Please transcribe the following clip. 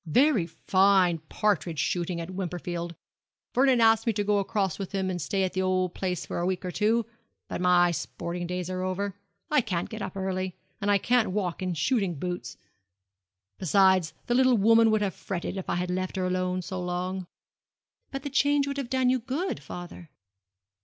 Very fine partridge shooting at Wimperfield! Vernon asked me to go across with him and stay at the old place for a week or two; but my sporting days are over. I can't get up early; and I can't walk in shooting boots. Besides, the little woman would have fretted if I had left her alone so long.' 'But the change would have done you good, father.'